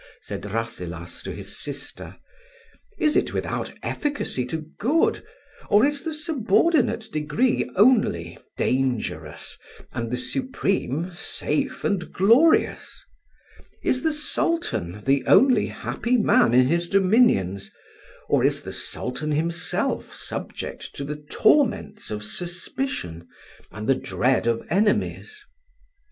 said Rasselas to his sister: "is it without efficacy to good, or is the subordinate degree only dangerous, and the supreme safe and glorious? Is the Sultan the only happy man in his dominions, or is the Sultan himself subject to the torments of suspicion and the dread of enemies?"